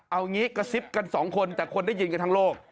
เอางี้กระซิบกันสองคนแต่คนได้ยินกันทั้งโลก